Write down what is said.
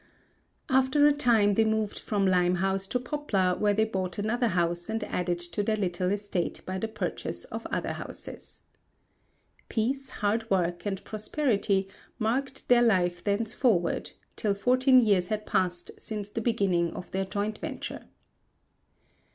After a time they moved from Limehouse to Poplar where they bought another house and added to their little estate by the purchase of other houses. Peace, hard work, and prosperity marked their life thence forward, till fourteen years had passed since the beginning of their joint venture.